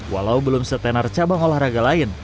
walau belum setenar cabang olahraga lain